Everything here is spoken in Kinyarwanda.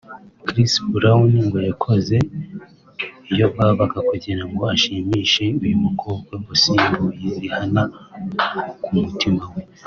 Chris Brown ngo yakoze iyo bwabaga kugira ngo ashimishe uyu mukobwa wasimbuye Rihanna ku mutima we